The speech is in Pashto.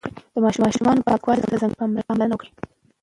د ماشومانو پاکوالي ته ځانګړې پاملرنه وکړئ.